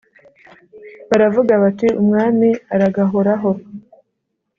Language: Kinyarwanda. baravuga bati Umwami aragahoraho